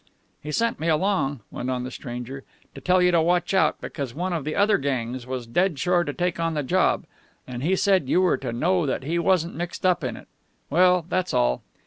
"He sent me along," went on the stranger, "to tell you to watch out, because one of the other gangs was dead sure to take on the job. And he said you were to know that he wasn't mixed up in it. Well, that's all.